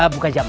buka jam empat